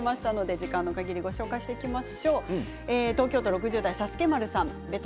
時間のかぎりご紹介します。